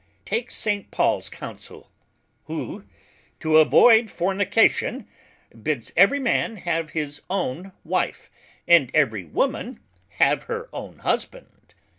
Take St. Pauls counsel, who, to avoid fornication, bids every man have his own Wife, and every woman have her own Husband.